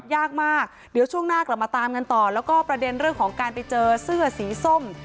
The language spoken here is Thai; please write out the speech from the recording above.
ยากมากเดี๋ยวช่วงหน้ากลับมาตามกันต่อแล้วก็ประเด็นเรื่องของการไปเจอเสื้อสีส้ม